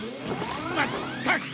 まったく！